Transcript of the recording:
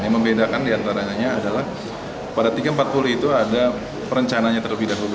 yang membedakan diantaranya adalah pada tiga ratus empat puluh itu ada perencananya terlebih dahulu